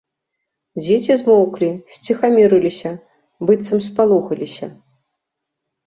Дзеці змоўклі, сціхамірыліся, быццам спалохаліся.